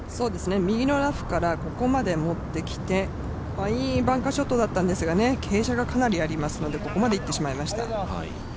右のラフからここまで持ってきて、いいバンカーショットだったんですけれども、傾斜がかなりありますので、ここまでいってしまいました。